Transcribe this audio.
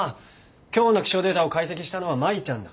今日の気象データを解析したのは舞ちゃんだ。